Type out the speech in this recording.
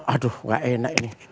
aduh nggak enak ini